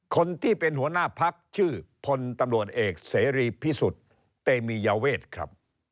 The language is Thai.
คนที่เป็นหัวหน้าพักชื่อพลตำรวจเอกเสรีพิสุทธิ์เตมียเวทครับ